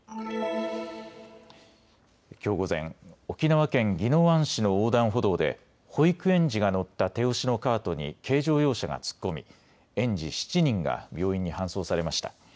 きょう午前、沖縄県宜野湾市の横断歩道で保育園児が乗った手押しのカートに軽乗用車が突っ込み園児７人が病院に搬送されました。